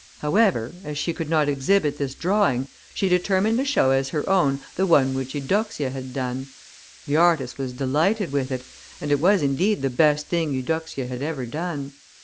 However, as she could not exhibit this drawing, she determined to show as her own the one which Eudoxia had done. The artist was delighted with it, and it was, indeed, the best thing Eudoxia had ever done.